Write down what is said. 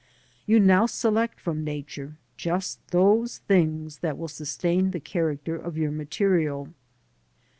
You now select from Nature just those things that will sustain the character of your material.